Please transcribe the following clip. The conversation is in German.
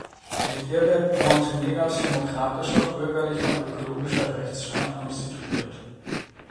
Mit ihr wird Montenegals demokratischer, bürgerlicher und ökologischer Rechtsstaat konstituiert.